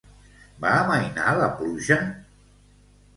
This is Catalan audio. Va amainar la pluja?